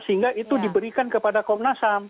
sehingga itu diberikan kepada komnasam